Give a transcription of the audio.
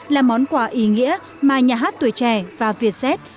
là món quà ý nghĩa mà nhà hát tuổi trẻ và việt z